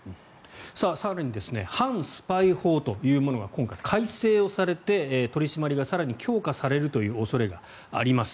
更に反スパイ法というものが今回、改正をされて取り締まりが更に強化されるという恐れがあります。